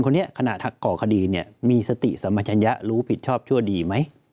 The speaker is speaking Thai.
๒คนเนี่ยขณะทักก่อคดีเนี่ยมีสติสมาชัญญะรู้ผิดชอบชั่วดีไหม